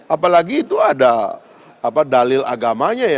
apalagi itu ada dalil agamanya ya